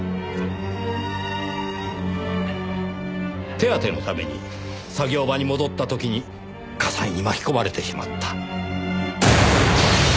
手当てのために作業場に戻った時に火災に巻き込まれてしまった。